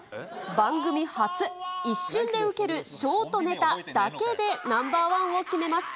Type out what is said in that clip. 番組初、一瞬でウケるショートネタだけでナンバーワンを決めます。